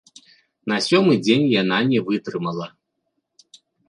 На сёмы дзень яна не вытрымала.